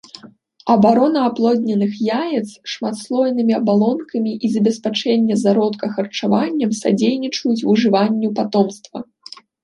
Абарона аплодненых яец шматслойнымі абалонкамі і забеспячэнне зародка харчаваннем садзейнічаюць выжыванню патомства.